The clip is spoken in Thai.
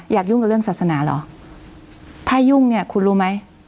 ยุ่งกับเรื่องศาสนาเหรอถ้ายุ่งเนี่ยคุณรู้ไหม